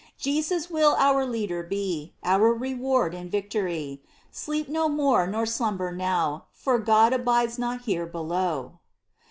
Jesus will our Leader be, Our Reward in victory : Sleep no more nor slumber now, For God abides not here below